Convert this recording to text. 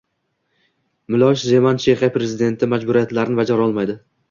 Milosh Zeman Chexiya prezidenti majburiyatlarini bajara olmaydi